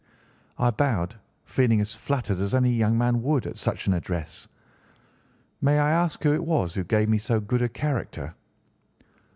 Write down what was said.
"I bowed, feeling as flattered as any young man would at such an address. 'May I ask who it was who gave me so good a character?